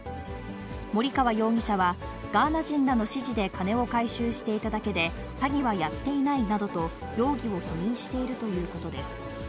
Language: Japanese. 森川容疑者は、ガーナ人らの指示で金を回収していただけで、詐欺はやっていないなどと、容疑を否認しているということです。